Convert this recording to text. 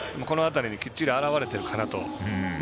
この辺りにきっちり表れているかなと。